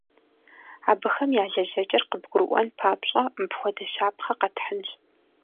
Абыхэм я лэжьэкӏэр къыбгурыӏуэн папщӏэ, мыпхуэдэ щапхъэ къэтхьынщ.